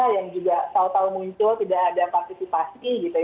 yang juga selalu muncul tidak ada partisipasi